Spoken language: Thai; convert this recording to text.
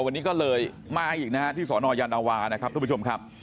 วันนี้ก็เลยมาอีกนะฮะที่สนยานวานะครับทุกผู้ชมครับ